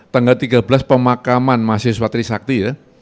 tanggal tiga belas pemakaman mahasiswa trisakti ya